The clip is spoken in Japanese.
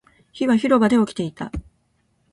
火は広場で起きていた